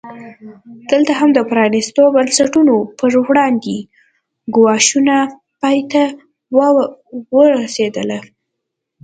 دلته هم د پرانیستو بنسټونو پر وړاندې ګواښونه پای ته نه وو رسېدلي.